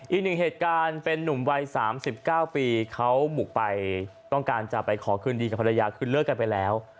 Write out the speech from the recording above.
อีกหนึ่งเหตุการณ์เป็นหนุ่มวัยสามสิบเก้าปีเขามุกไปต้องการจะไปขอขึ้นดีกับภรรยาขึ้นเลิกกันไปแล้ว